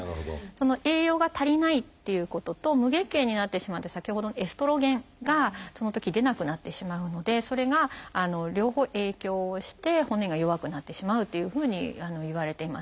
栄養が足りないっていうことと無月経になってしまって先ほどのエストロゲンがそのとき出なくなってしまうのでそれが両方影響をして骨が弱くなってしまうというふうにいわれています。